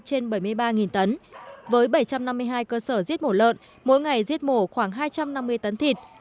trên bảy mươi ba tấn với bảy trăm năm mươi hai cơ sở giết mổ lợn mỗi ngày giết mổ khoảng hai trăm năm mươi tấn thịt